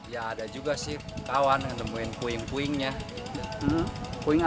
ya ada juga sih kawan yang nemuin puing puingnya